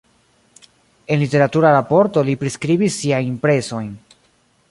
En literatura raporto li priskribis siajn impresojn.